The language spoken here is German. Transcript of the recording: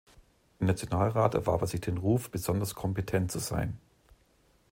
Im Nationalrat erwarb er sich den Ruf, besonders kompetent zu sein.